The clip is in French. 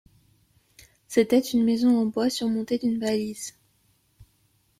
C'était une maison en bois surmontée d'une balise.